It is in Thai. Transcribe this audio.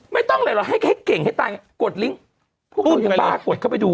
ไม่ต้องอะไรหรอกให้เก่งให้ตายกดลิ้งกกดเข้าไปดู